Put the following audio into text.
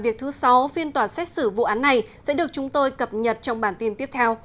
việc thứ sáu phiên tòa xét xử vụ án này sẽ được chúng tôi cập nhật trong bản tin tiếp theo